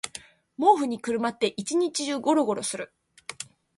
毛布にくるまって一日中ゴロゴロする